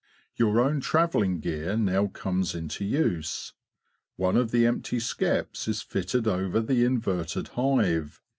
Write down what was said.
Your own travelling gear now comes into use. One of the empty skeps is fitted over the inverted hive.